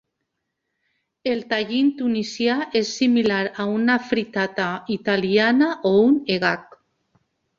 El tagín tunisià és similar a una frittata italiana o un eggah.